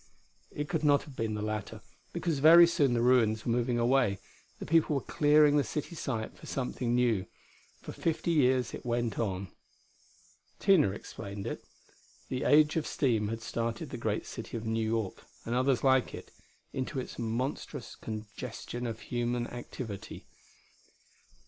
It could not have been the latter, because very soon the ruins were moving away: the people were clearing the city site for something new. For fifty years it went on. Tina explained it. The age of steam had started the great city of New York, and others like it, into its monstrous congestion of human activity.